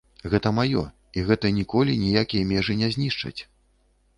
Гэта маё, і гэта ніколі ніякія межы не знішчаць.